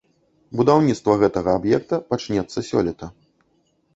Будаўніцтва гэтага аб'екта пачнецца сёлета.